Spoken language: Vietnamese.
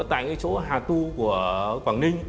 tại chỗ hà tu của quảng ninh